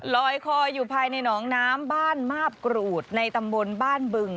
ลอยคออยู่ภายในหนองน้ำบ้านมาบกรูดในตำบลบ้านบึง